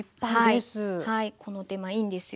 この手間いいんですよ。